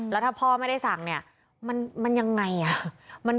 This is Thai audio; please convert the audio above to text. แล้วถ้าพ่อไม่ได้สั่งเนี่ยมันยังไงอ่ะ